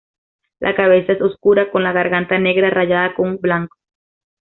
La cabeza es oscura, con la garganta negra rayada con blanco.